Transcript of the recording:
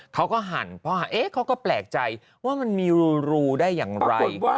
เขาก็หั่นเพราะหันเขาก็แปลกใจว่ามันมีรูได้อย่างไร